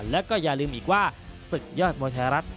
และก็อย่าลืมอีกว่าศึกยอดมทรรศ